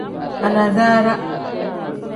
Anasaara.